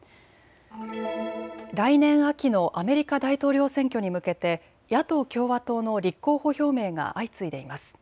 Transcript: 来年秋のアメリカ大統領選挙に向けて野党・共和党の立候補表明が相次いでいます。